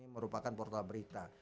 merupakan portal berita